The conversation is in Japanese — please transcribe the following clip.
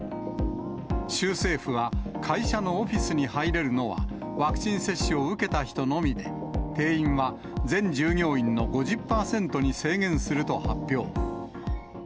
州政府は、会社のオフィスに入れるのは、ワクチン接種を受けた人のみで、定員は、全従業員の５０％に制限すると発表。